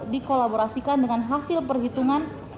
dikolaborasikan dengan hasil perhitungan